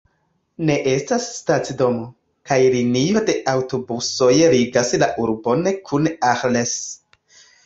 Ne estas stacidomo, kaj linio de aŭtobusoj ligas la urbon kun Arles.